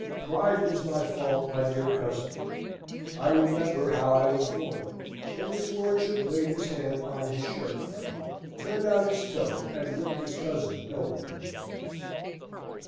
Pride is my fault, my dear cousin. I remember how I was born!" And his lordship laid his hand on his shirt frill, turned out his toe, and looked his cousin nobly in the face.